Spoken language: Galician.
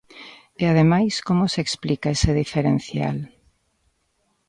E ademais ¿como se explica ese diferencial?